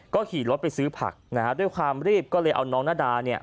ก็ขี่รถไปซื้อผักนะฮะด้วยความรีบก็เลยเอาน้องนาดาเนี่ย